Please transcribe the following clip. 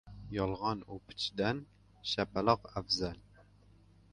• Yolg‘on o‘pichdan shapaloq afzal.